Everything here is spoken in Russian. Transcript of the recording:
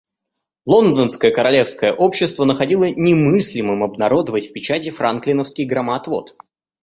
Лондонское Королевское общество находило немыслимым обнародовать в печати Франклиновский громоотвод.